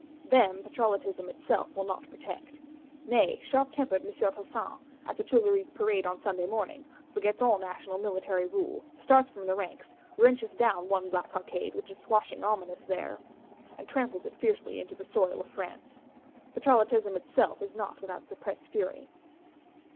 Them Patrollotism itself will not protect. Nay, sharp tempered "M. Tassin," at the Tuileries parade on Sunday morning, forgets all National military rule; starts from the ranks, wrenches down one black cockade which is swashing ominous there; and tramples it fiercely into the soil of France. Patrollotism itself is not without suppressed fury.